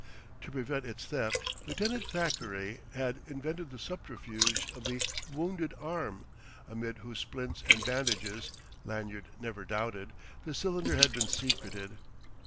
To prevent its theft, Lieutenant Thackeray had invented the subterfuge of the "wounded" arm, amid whose splints and bandages (Lanyard never doubted) the cylinder had been secreted.